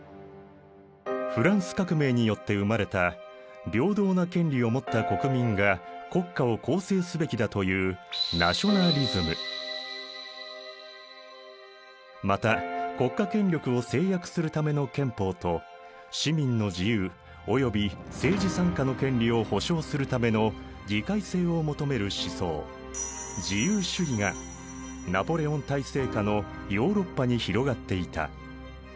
フランス革命によって生まれた平等な権利を持った国民が国家を構成すべきだというまた国家権力を制約するための憲法と市民の自由および政治参加の権利を保障するための議会制を求める思想自由主義がナポレオン体制下のヨーロッパに広がっていた。